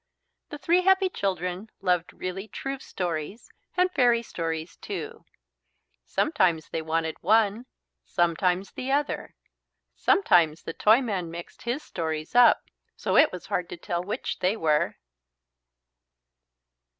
The three happy children loved really true stories and fairy stories too. Sometimes they wanted one, sometimes the other. Sometimes the Toyman mixed his stories up so it was hard to tell which they were.